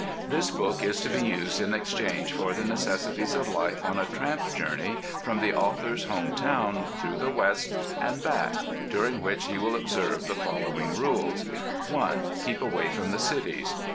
This book is to be used in exchange for the necessities of life on a tramp journey from the author's home town, through the West and back, during which he will observe the following rules: (1) Keep away from the cities.